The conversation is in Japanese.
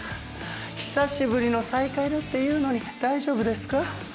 久しぶりの再会だっていうのに大丈夫ですか？